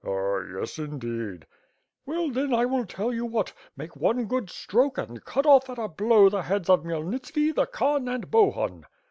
"Ah. yes, indeed." "Well, then, I will tell you what: Make one good stroke and cut off at a blow the heads of Khmyelnitski, the Khan, and Bohun."